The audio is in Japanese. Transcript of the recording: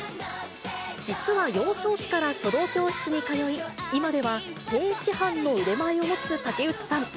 実は幼少期から書道教室に通い、今では正師範の腕前を持つ竹内さん。